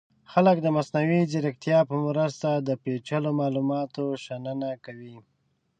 خلک د مصنوعي ځیرکتیا په مرسته د پیچلو معلوماتو شننه کوي.